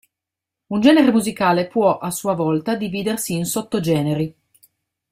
Un genere musicale può a sua volta dividersi in sottogeneri.